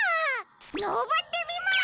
のぼってみます！